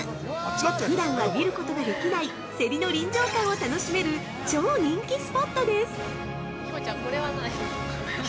普段は見ることができないセリの臨場感を楽しめる超人気スポットです！